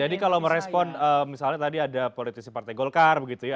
jadi kalau merespon misalnya tadi ada politisi partai golkar begitu ya